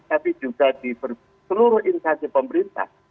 tapi juga di seluruh instansi pemerintah